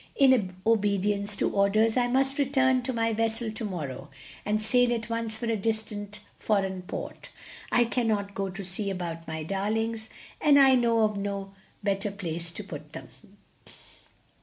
In obedience to orders, I must return to my vessel to morrow and sail at once for a distant foreign port. I cannot go to see about my darlings, and I know of no better place to put them.